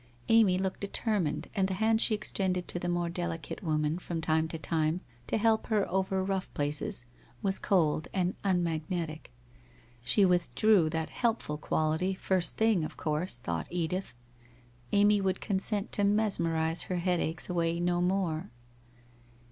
Amy looked determined and the hand she extended to the more delicate woman from time to time to help her over rough places, was cold and un magnetic. She withdrew that helpful quality first thing, of course, thought Edith. Amy would consent to mesmerize her headaches away no more.